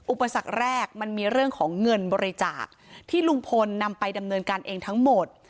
อุปสรรคแรกมันมีเรื่องของเงินบริจาคที่ลุงพลนำไปดำเนินการเองทั้งหมด